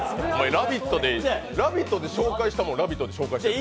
「ラヴィット！」で紹介したものを「ラヴィット！」で紹介するの？